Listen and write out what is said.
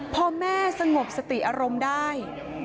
พอแม่สงบสติอารมณ์ได้